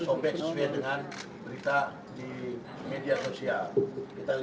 masih mempentingkan keteatthisasi ingin punya deskripsi